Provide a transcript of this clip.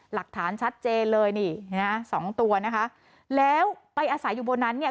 หลักฐานชัดเจนเลยนี่นะสองตัวนะคะแล้วไปอาศัยอยู่บนนั้นเนี่ย